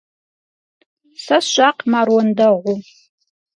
Сэ сщӀакъым ар уэндэгъуу.